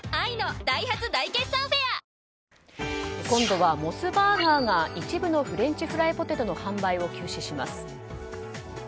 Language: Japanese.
今度はモスバーガーが一部のフレンチフライドポテトの販売を休止します。